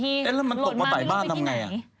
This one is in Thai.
เนี่ยแล้วมันตกมาใต่บ้านทำไง